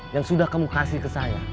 yang sudah kamu kasih ke saya